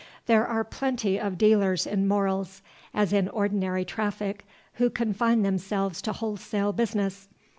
There are plenty of dealer's in morals, as in ordinary traffic, who confine themselves to wholesale business.